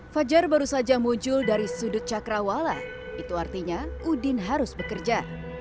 fajar baru saja muncul dari sudut cakrawala itu artinya udin harus bekerja